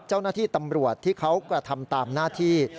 เจ้าหน้าที่ตำรวจที่เขากระทำตามหน้าที่